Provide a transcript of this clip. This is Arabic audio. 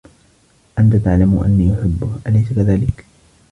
أنت تعلم أنّي أحبّه، أليس كذلك؟